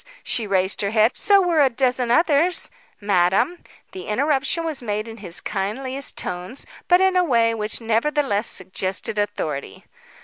She raised her head. "So were a dozen others " "Madam," the interruption was made in his kindliest tones, but in a way which nevertheless suggested authority.